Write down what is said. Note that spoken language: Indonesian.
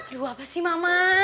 aduh apa sih mama